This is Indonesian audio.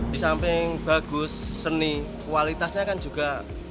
di samping bagus seni kualitasnya kan juga